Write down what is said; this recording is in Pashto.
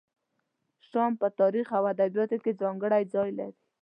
شام په تاریخ او ادبیاتو کې ځانګړی ځای لري.